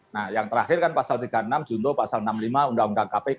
nah yang terakhir kan pasal tiga puluh enam junto pasal enam puluh lima undang undang kpk